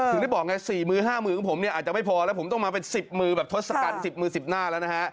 ถึงได้บอกไง๔มือ๕มือของผมเนี่ยอาจจะไม่พอแล้วผมต้องมาเป็น๑๐มือแบบทศกัณฐ์๑๐มือ๑๐หน้าแล้วนะฮะ